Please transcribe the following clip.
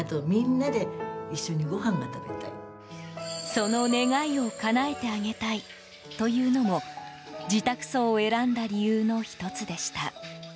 その願いをかなえてあげたいというのも自宅葬を選んだ理由の１つでした。